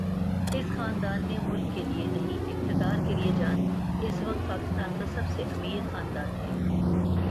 اس خاندان نے ملک کے لیے نہیں اقتدار کے لیے جان دی اس وقت پاکستان کا سب سے امیر خاندان ہے